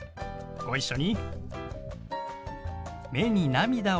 ご一緒に。